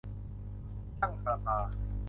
ช่างประปา